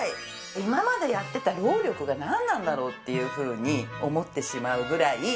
今までやってた労力がなんなんだろうっていうふうに思ってしまうぐらいキレイ！